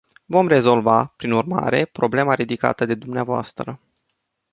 Vom rezolva, prin urmare, problema ridicată de dvs.